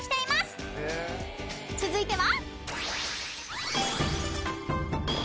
［続いては］